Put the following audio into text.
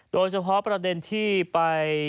โดยเฉพาะประเด็นที่ไป